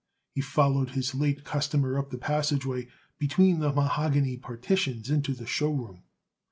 He followed his late customer up the passageway between the mahogany partitions, into the show room.